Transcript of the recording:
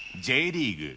Ｊリーグ